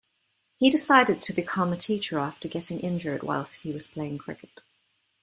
He decided to become a teacher after getting injured whilst he was playing cricket.